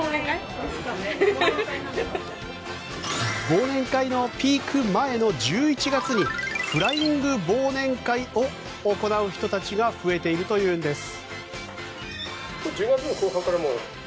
忘年会のピーク前の１１月にフライング忘年会を行う人たちが増えているというんです。